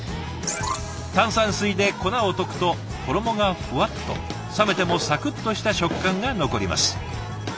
炭酸水で粉を溶くと衣がフワッと冷めてもサクッとした食感が残ります。